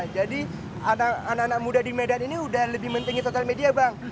jadi anak anak muda di medan ini udah lebih mentingin sosial media bang